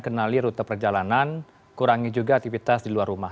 kenali rute perjalanan kurangi juga aktivitas di luar rumah